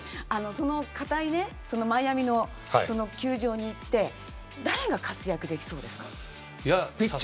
固いマイアミの球場に行って誰が活躍できそうですか。